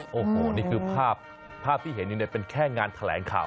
โอ้โหนี่คือภาพภาพที่เห็นนี่เป็นแค่งานแขลงข่าว